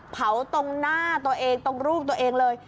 ตรงหน้าตัวเองตรงรูปตัวเองเลย